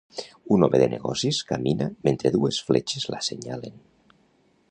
Un home de negocis camina mentre dues fletxes l'assenyalen